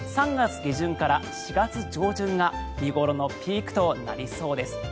３月下旬から４月上旬が見頃のピークとなりそうです。